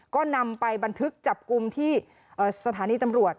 ก็นำไปบันทึกจับกลุ่มที่สถานีตำรวจ